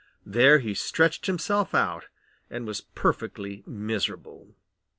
There he stretched himself out and was perfectly miserable.